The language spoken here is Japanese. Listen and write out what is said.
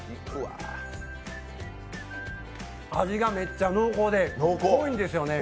味がめっちゃ濃厚で濃いんですよね。